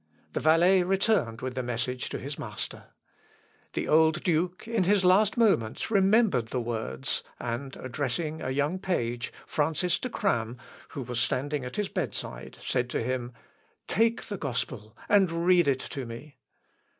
The valet returned with the message to his master. The old duke, in his last moments, remembered the words, and addressing a young page, Francis de Kramm, who was standing at his bedside, said to him, "Take the gospel and read it to me."